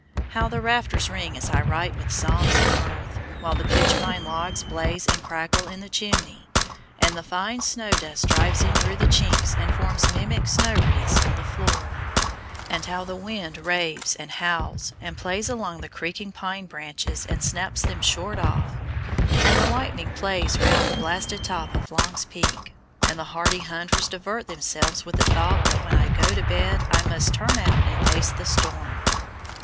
How the rafters ring as I write with songs and mirth, while the pitch pine logs blaze and crackle in the chimney, and the fine snow dust drives in through the chinks and forms mimic snow wreaths on the floor, and the wind raves and howls and plays among the creaking pine branches and snaps them short off, and the lightning plays round the blasted top of Long's Peak, and the hardy hunters divert themselves with the thought that when I go to bed I must turn out and face the storm!